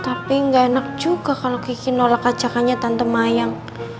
tapi nggak enak juga kalau kiki nolak kacakannya tante mayang